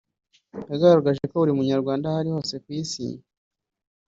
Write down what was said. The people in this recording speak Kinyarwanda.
yagaragaje ko buri Munyarwanda aho ari hose ku Isi